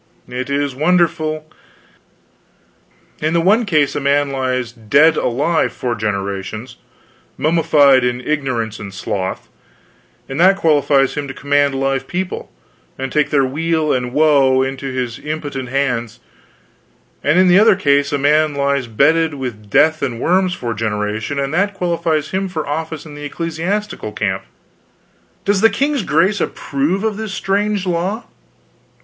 It is wonderful. In the one case a man lies dead alive four generations mummified in ignorance and sloth and that qualifies him to command live people, and take their weal and woe into his impotent hands; and in the other case, a man lies bedded with death and worms four generations, and that qualifies him for office in the celestial camp. Does the king's grace approve of this strange law?"